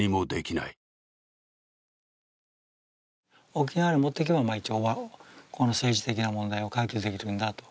沖縄に持っていけば政治的な問題を解決できるんだと。